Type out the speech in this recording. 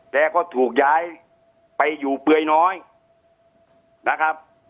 แกก็ถูกย้ายไปอยู่เปลือยน้อยนะครับ